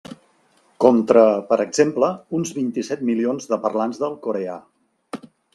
Contra, per exemple, uns vint-i-set milions de parlants del coreà.